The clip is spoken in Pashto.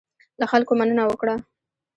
له خلکو مننه وکړه.